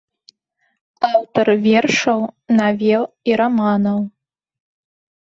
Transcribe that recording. Аўтар вершаў, навел і раманаў.